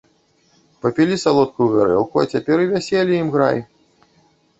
Папілі салодкую гарэлку, а цяпер і вяселле ім іграй.